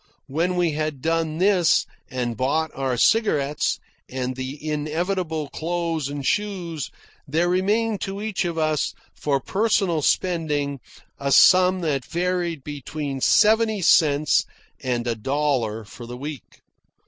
When we had done this, and bought our cigarettes, and the inevitable clothes and shoes, there remained to each of us, for personal spending, a sum that varied between seventy cents and a dollar for the week.